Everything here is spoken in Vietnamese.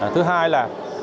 thứ hai là